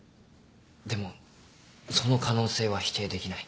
でもその可能性は否定できない。